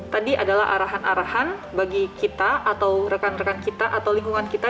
tadi adalah arahan arahan bagi kita atau rekan rekan kita atau lingkungan kita